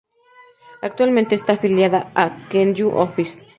Actualmente, está afiliada a Kenyu-Office.